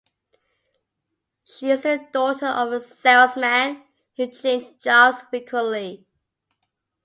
She is the daughter of a salesman, who changed jobs frequently.